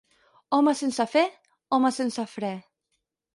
Home sense fe, home sense fre.